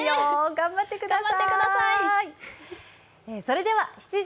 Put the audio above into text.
頑張ってください。